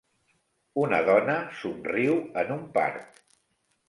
Una dona somriu en un parc.